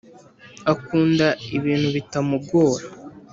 akunda ibintu bitamugora